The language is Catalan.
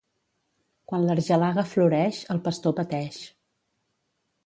Quan l'argelaga floreix, el pastor pateix.